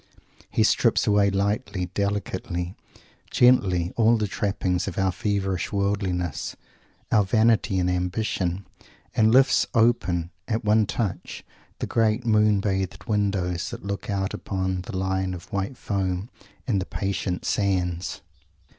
He strips away lightly, delicately, gently, all the trappings of our feverish worldliness, our vanity and ambition, and lifts open, at one touch, the great moon bathed windows that look out upon the line of white foam and the patient sands.